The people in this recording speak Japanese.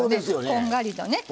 こんがりとね。